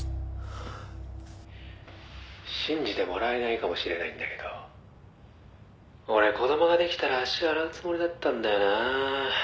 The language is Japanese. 「信じてもらえないかもしれないんだけど俺子供ができたら足洗うつもりだったんだよなあ」